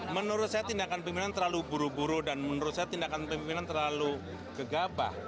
menurut saya tindakan pimpinan terlalu buru buru dan menurut saya tindakan pimpinan terlalu gegabah